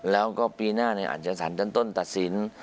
แล้วก็ปีหน้าอาจจะสารชั้นต้นตัดสิน